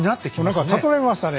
何か悟られましたね。